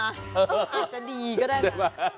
อาจจะดีก็ได้นะ